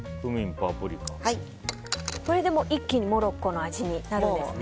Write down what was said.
これで一気にモロッコの味になるんですね。